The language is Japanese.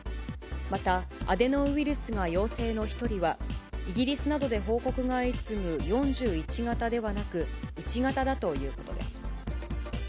またアデノウイルスが陽性の１人は、イギリスなどで報告が相次ぐ４１型ではなく、１型だということです。